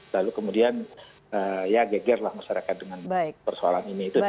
lalu kemudian ya geger lah masyarakat dengan persoalan ini